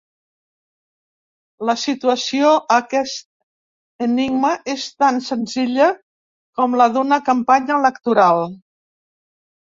La solució a aquest enigma és tan senzilla com la d'una campanya electoral.